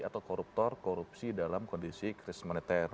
atau koruptor korupsi dalam kondisi krisis moneter